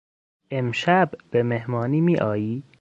امشب به مهمانی میآیی؟